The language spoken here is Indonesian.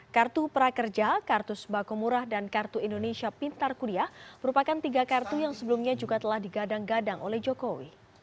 kartu prakerja kartu sembako murah dan kartu indonesia pintar kuliah merupakan tiga kartu yang sebelumnya juga telah digadang gadang oleh jokowi